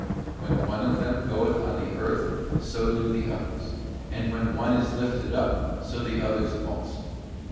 When one of them goeth on the earth so do the others, and when one is lifted up, so the others also.